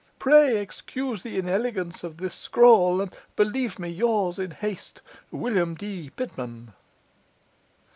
Pray excuse the inelegance of this scrawl, and believe me yours in haste, William D. Pitman.